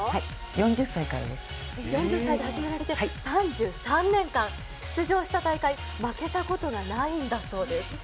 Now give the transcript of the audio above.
４０歳から始められて３３年間出場した大会は負けたことがないそうです。